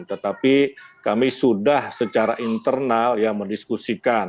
tetapi kami sudah secara internal ya mendiskusikan